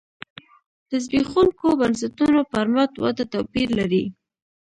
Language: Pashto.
د زبېښونکو بنسټونو پر مټ وده توپیر لري.